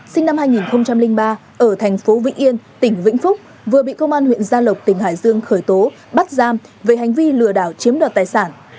sinh năm hai nghìn ba ở thành phố vĩnh yên tỉnh vĩnh phúc vừa bị công an huyện gia lộc tỉnh hải dương khởi tố bắt giam về hành vi lừa đảo chiếm đoạt tài sản